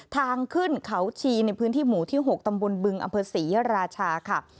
ทางขึ้นเขาชีในพื้นที่หมู่ที่๖ตำบลบึงอำเภอศรีราชาค่ะ